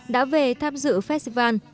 đã về tham dự festival